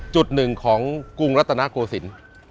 จุดหนึ่งของกรุงรัฐนาโกศิลป์